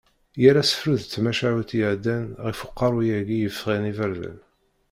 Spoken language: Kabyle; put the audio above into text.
Yal asefru d tamacahutt iɛeddan ɣef uqerru-yagi yeffɣen iberdan.